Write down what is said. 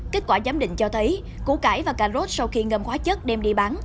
kết quả giám định cho thấy củ cải và cà rốt sau khi ngâm hóa chất đem đi bán